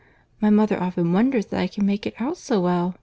My mother often wonders that I can make it out so well.